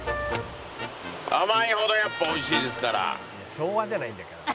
「昭和じゃないんだから」